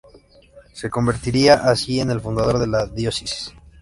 Se convertiría así en el fundador de la diócesis.